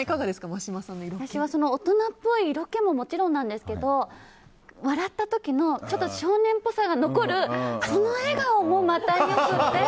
私は大人っぽい色気ももちろんなんですけど笑った時の少年っぽさが残るその笑顔もまた良くて。